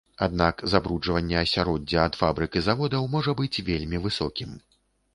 Аднак забруджванне асяроддзя ад фабрык і заводаў можа быць вельмі высокім.